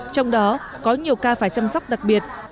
trong đó có nhiều ca phải chăm sóc đặc biệt